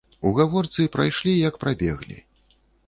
У гаворцы прайшлі, як прабеглі.